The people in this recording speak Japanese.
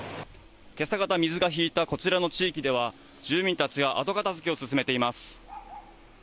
今朝方、水が引いたこちらの地域では、住民たちが後片付けを進めています。